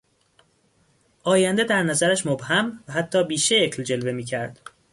آینده در نظرش مبهم و حتی بیشکل جلوه میکرد.